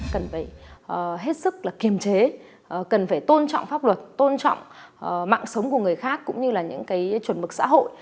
cần phải hết sức là kiềm chế cần phải tôn trọng pháp luật tôn trọng mạng sống của người khác cũng như là những cái chuẩn mực xã hội